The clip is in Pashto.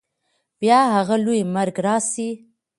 بیا هغه لوی مرګ راسي